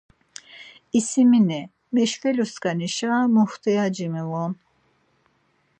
İsimini, meşvelu skanişa muxtiyaci miğun.